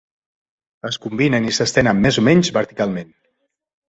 Es combinen i s'estenen més o menys verticalment.